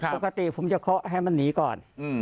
ปกติผมจะเคาะให้มันหนีก่อน